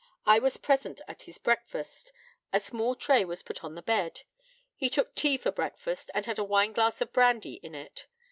I was present at his breakfast. A small tray was put on the bed. He took tea for breakfast, and had a wineglass of brandy in it.